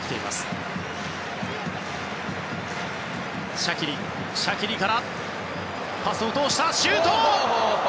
シャキリからパスを通してシュート！